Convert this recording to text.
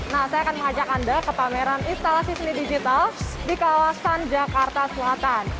nah saya akan mengajak anda ke pameran instalasi seni digital di kawasan jakarta selatan